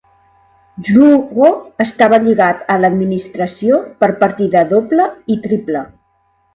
Yrujo estava lligat a l'administració per partida doble i triple.